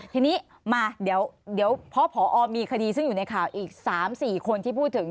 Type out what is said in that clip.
ทีนี้มาเดี๋ยวพอมีคดีซึ่งอยู่ในข่าวอีก๓๔คนที่พูดถึง